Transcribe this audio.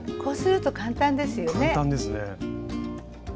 こうすると簡単ですよね。